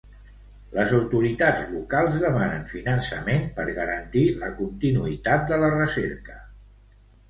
Les autoritats locals demanen finançament per garantir la continuïtat de la recerca.